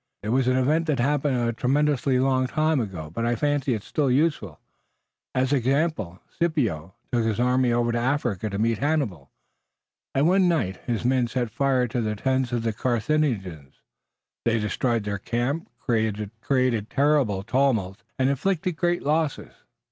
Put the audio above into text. It was an event that happened a tremendously long time ago, but I fancy it's still useful as an example. Scipio took his army over to Africa to meet Hannibal, and one night his men set fire to the tents of the Carthaginians. They destroyed their camp, created a terrible tumult, and inflicted great losses."